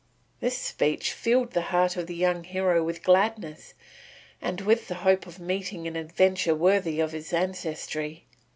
This speech filled the heart of the young hero with gladness and with the hope of meeting an adventure worthy of his ancestry.